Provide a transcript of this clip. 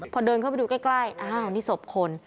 พอเดินเข้าไปดูใกล้อ้าวนี่ศพคน